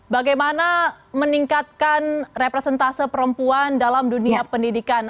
bagaimana meningkatkan representase perempuan dalam dunia pendidikan